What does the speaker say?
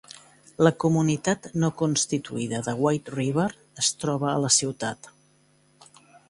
La comunitat no constituïda de White River es troba a la ciutat.